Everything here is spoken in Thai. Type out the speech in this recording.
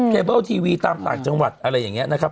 เบิลทีวีตามต่างจังหวัดอะไรอย่างนี้นะครับ